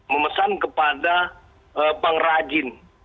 memesan kepada pengrajin